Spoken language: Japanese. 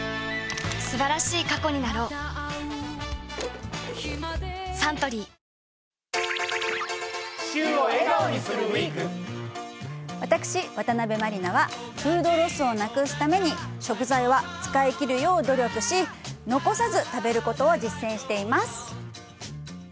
素晴らしい過去になろう私、渡辺満里奈はフードロスをなくすため食材は使い切るよう努力し、残さず食べることを実践しています。